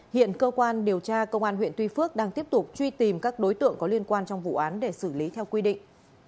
hiện cơ quan điều tra công an huyện tuy phước đang tiếp tục truy tìm các đối tượng có liên quan trong vụ án để xử lý theo quy định